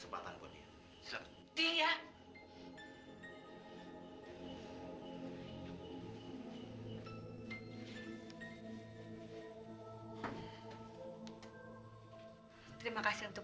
membunuh suami ibu